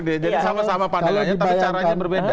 jadi sama sama pandangannya tapi caranya berbeda